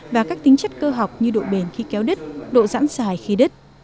và các tính chất cơ học như độ bền khi kéo đứt độ dãn dài khi đứt